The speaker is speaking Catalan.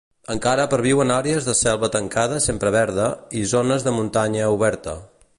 Encara perviuen àrees de selva tancada sempre verda, i zones de muntanya oberta.